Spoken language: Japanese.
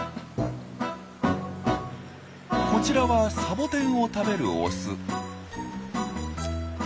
こちらはサボテンを食べるオス。